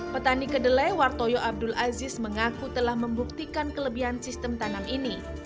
petani kedelai wartoyo abdul aziz mengaku telah membuktikan kelebihan sistem tanam ini